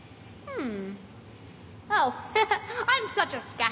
うん。